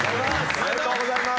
おめでとうございます！